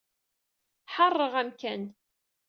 Ḥeṛṛeɣ amkan.